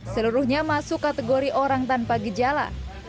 seluruhnya masuk kategori orang tanpa gejala